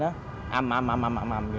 âm âm âm âm âm